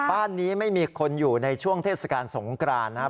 บ้านนี้ไม่มีคนอยู่ในช่วงเทศกาลสงกรานนะครับ